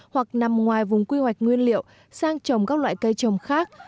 hoặc nằm ngoài vùng quy hoạch nguyên liệu sang trồng các loại cây trồng khác